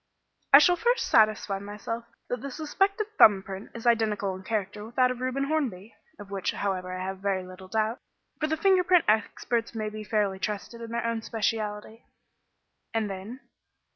"I shall first satisfy myself that the suspected thumb print is identical in character with that of Reuben Hornby of which, however, I have very little doubt, for the finger print experts may fairly be trusted in their own speciality." "And then?"